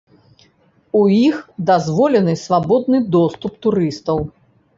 У іх дазволены свабодны доступ турыстаў.